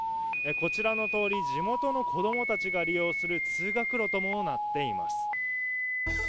こちらの通り、地元の子どもたちが利用する通学路ともなっています。